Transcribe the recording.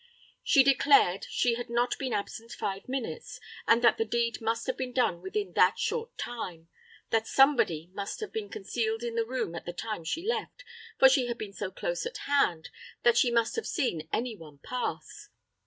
She declared she had not been absent five minutes, and that the deed must have been done within that short time; that somebody must have been concealed in the room at the time she left, for she had been so close at hand that she must have seen any one pass.